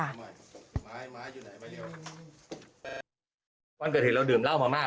แล้วทำไมเด็กถึงล้มลงได้ครับ